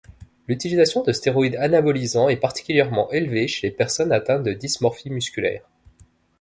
L'utilisation de stéroïdes anabolisants est particulièrement élevée chez les personnes atteintes de dysmorphie musculaire.